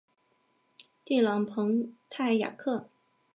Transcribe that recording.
蒂朗蓬泰雅克。